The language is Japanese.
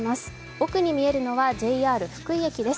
奥に見えるのはＪＲ福井駅です。